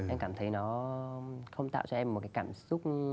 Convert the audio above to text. em cảm thấy nó không tạo cho em một cái cảm xúc